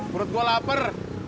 perut gua lapar